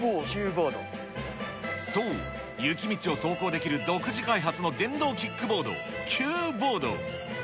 そう、雪道を走行できる独自開発の電動キックボード、キューボード。